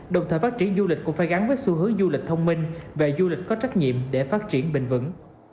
đồng thời phát triển du lịch cũng phải gắn với xu hướng du lịch thông minh về du lịch có trách nhiệm để phát triển bình vững